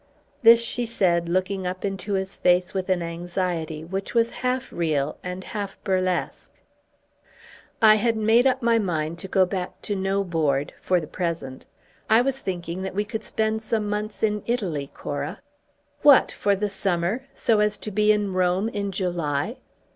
This she said looking up into his face with an anxiety which was half real and half burlesque. "I had made up my mind to go back to no Board, for the present. I was thinking that we could spend some months in Italy, Cora." "What; for the summer; so as to be in Rome in July!